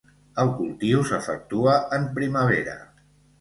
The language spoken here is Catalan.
El cultiu s'efectua en primavera.